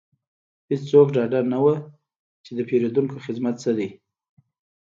هیڅوک ډاډه نه وو چې د پیرودونکو خدمت څه دی